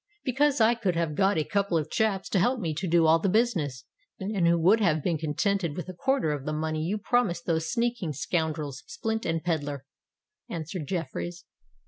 "Because I could have got a couple of chaps to help me to do all the business, and who would have been contented with a quarter of the money you promised those sneaking scoundrels Splint and Pedler," answered Jeffreys.